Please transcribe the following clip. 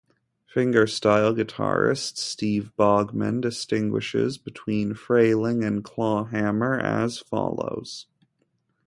Fingerstyle guitarist Steve Baughman distinguishes between frailing and clawhammer as follows.